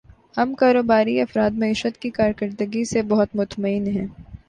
ہم کاروباری افراد معیشت کی کارکردگی سے بہت مطمئن ہیں